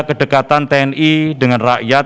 kedekatan tni dengan rakyat